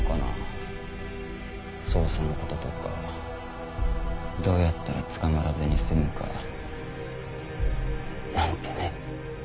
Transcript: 捜査の事とかどうやったら捕まらずに済むかなんてね。